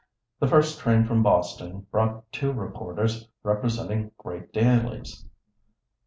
The first train from Boston brought two reporters representing great dailies.